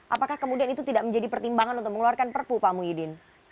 apakah kemudian itu tidak menjadi pertimbangan untuk mengeluarkan perpu pak muhyiddin